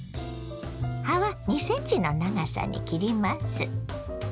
葉は２ｃｍの長さに切ります。